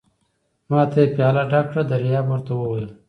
ما ته یې پياله ډکه کړه، دریاب ور ته وویل.